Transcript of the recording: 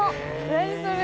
何それ。